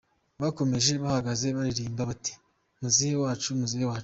Bakomeje bahagaze baririmba bati ‘Muzehe wacu, Muzehe wacu !’..............